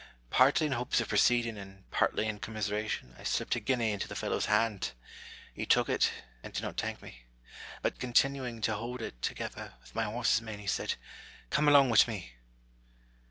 Partly in hopes of proceeding, and partly in commiser ation, I slipped a guinea into the fellow's hand. He took it, and did not thank me ; but continuing to hold it, together with my horse's mane, he said, " Come along with me."